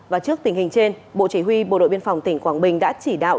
và trước tình hình trên bộ chỉ huy bộ đội biên phòng tỉnh quảng bình đã chỉ đạo